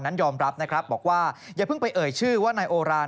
นั้นยอมรับนะครับบอกว่าอย่าเพิ่งไปเอ่ยชื่อว่านายโอราน